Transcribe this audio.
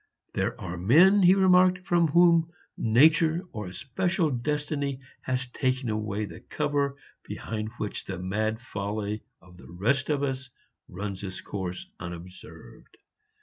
"There are men," he remarked, "from whom nature or a special destiny has taken away the cover behind which the mad folly of the rest of us runs its course unobserved.